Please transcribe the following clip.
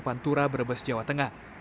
pantura brebes jawa tengah